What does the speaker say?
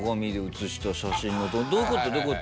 どういうこと？